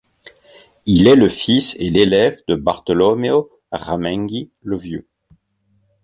Il est le fils et l'élève de Bartolommeo Ramenghi le Vieux.